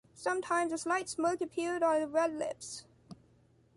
Sometimes a slight smirk appeared on her red lips.